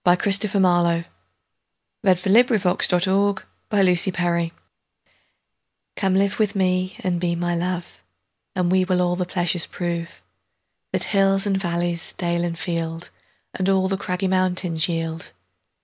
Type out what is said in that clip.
Christopher Marlowe V. The Passionate Shepherd to His Love COME live with me and be my Love, And we will all the pleasures proveThat hills and valleys, dale and field, And all the craggy mountains yield.